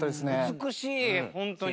美しいホントに。